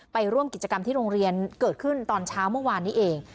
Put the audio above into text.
ไปร่วมกิจกรรมที่โรงเรียนเกิดขึ้นตอนเช้าเมื่อวานนี้เอง